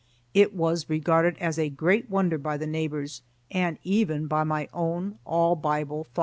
It was regarded as a great wonder by the neighbors and even by my own all Bible father.